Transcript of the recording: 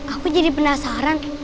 aku jadi penasaran